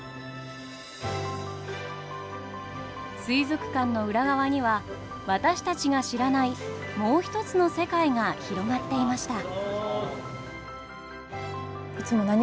水族館の裏側には私たちが知らないもうひとつの世界が広がっていました。